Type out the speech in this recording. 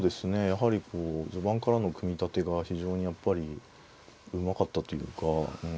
やはりこう序盤からの組み立てが非常にやっぱりうまかったというか。